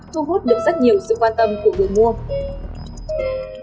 thu hút được rất nhiều sự quan tâm của người mua